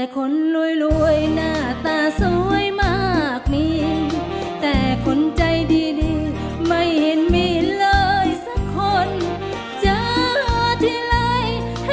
ก็อย่าให้แฟนนูห้าย